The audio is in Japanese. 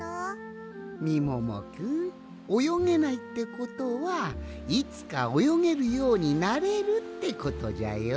みももくんおよげないってことはいつかおよげるようになれるってことじゃよ。